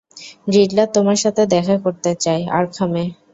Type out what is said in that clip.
Riddler তোমার সাথে দেখা করতে চায়, আর্কহামে।